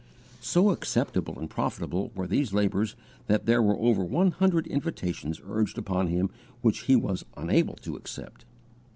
So acceptable and profitable were these labours that there were over one hundred invitations urged upon him which he was unable to accept.